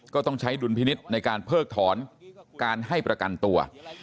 ก็ต้องใช้ดุลพินิษฐ์ในการเพิกถอนการให้ประกันตัว